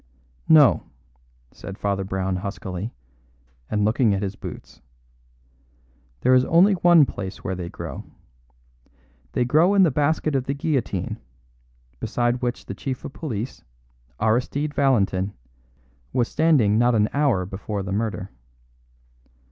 "No," said Father Brown huskily, and looking at his boots; "there is only one place where they grow. They grow in the basket of the guillotine, beside which the chief of police, Aristide Valentin, was standing not an hour before the murder.